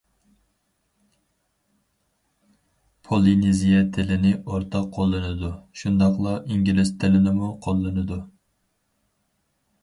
پولىنېزىيە تىلىنى ئورتاق قوللىنىدۇ، شۇنداقلا ئىنگلىز تىلىنىمۇ قوللىنىدۇ.